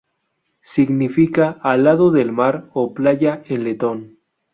Significa "al lado del mar" o "playa" en letón.